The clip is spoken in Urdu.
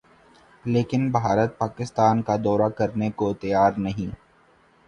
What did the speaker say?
لیکن بھارت پاکستان کا دورہ کرنے کو تیار نہیں